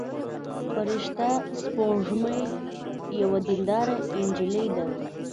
فرشته سپوږمۍ یوه دينداره نجلۍ ده.